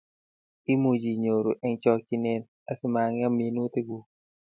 Imuchi inyoru eng chokchinet asimangem minutikkuk